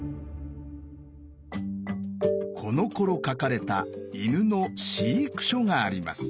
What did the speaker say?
このころ書かれた犬の飼育書があります。